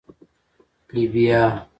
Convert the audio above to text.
🫘 لبیا